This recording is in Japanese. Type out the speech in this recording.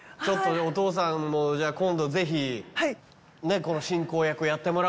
ちょっとお父さんもじゃあ今度ぜひこの。